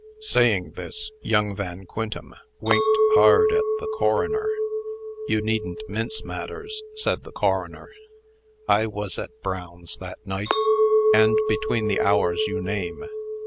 Saying this, young Van Quintem winked hard at the coroner. "You needn't mince matters," said the coroner. "I was at Brown's that night, and between the hours you name.